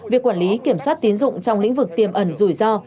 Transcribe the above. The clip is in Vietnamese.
việc quản lý kiểm soát tín dụng trong lĩnh vực tiềm ẩn rủi ro